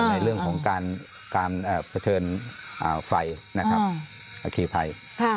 ในเรื่องของการเผชิญไฟอิคริไฟ